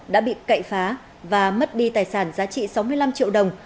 đã bị cậy phá và mất đi tài sản giá trị sáu mươi năm triệu đồng